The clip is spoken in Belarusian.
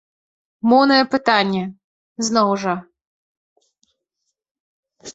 Моўнае пытанне, зноў жа.